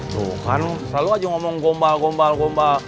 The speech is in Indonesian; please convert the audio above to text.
tuh kan selalu aja ngomong gombal gombal gombal